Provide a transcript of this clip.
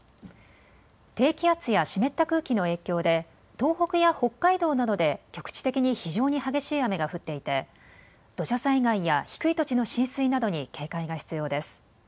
低気圧や湿った空気の影響で東北や北海道などで局地的に非常に激しい雨が降っていて土砂災害や低い土地の浸水などに警戒が必要です。